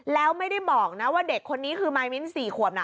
แล้วไม่ได้บอกนะว่าเด็กคนนี้คือมายมิ้นท์๔ขวบนะ